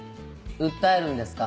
訴えるんですか？